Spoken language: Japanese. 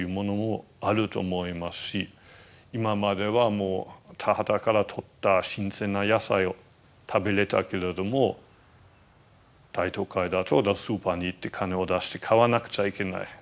今まではもう田畑からとった新鮮な野菜を食べれたけれども大都会だとスーパーに行って金を出して買わなくちゃいけない。